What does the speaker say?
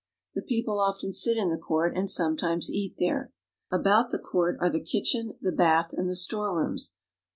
The people often sit in the court and sometimes eat there. About the court are the kitchen, the bath, and the storerooms.